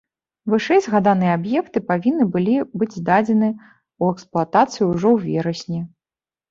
Вышэйзгаданыя аб'екты павінны былі быць здадзены ў эксплуатацыю ўжо ў верасні.